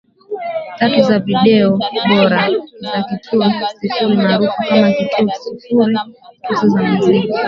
tatu za Video Bora za kituo sifuri maarufu kama kituo sifuri tuzo za muziki